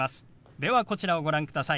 ではこちらをご覧ください。